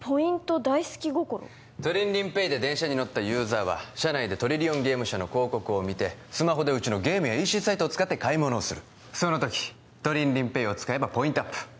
トリンリンＰａｙで電車に乗ったユーザーは車内でトリリオンゲーム社の広告を見てスマホでうちのゲームやＥＣサイトを使って買い物をするその時トリンリンＰａｙを使えばポイントアップ